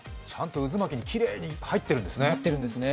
ちゃんと渦巻きにきれいに入っているんですね。